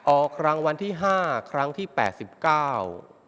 ออกรางวัลที่ห้าครั้งที่แปดสิบเก้า